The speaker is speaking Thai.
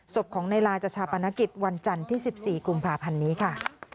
ศพของนายลาจะชาปนกิจวันจันทร์ที่๑๔กุมภาพันธ์นี้ค่ะ